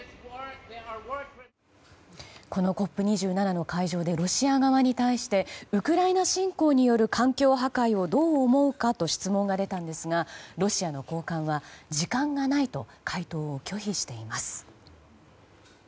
このＣＯＰ２７の会場でロシア側に対してウクライナ侵攻による環境破壊をどう思うかと質問が出たんですがロシアの高官は時間がないと回答を拒否しています。